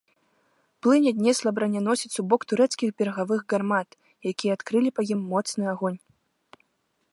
Плынь аднесла браняносец ў бок турэцкіх берагавых гармат, якія адкрылі па ім моцны агонь.